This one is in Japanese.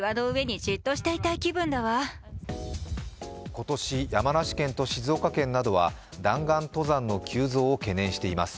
今年、山梨県と静岡県などは弾丸登山の急増を懸念しています。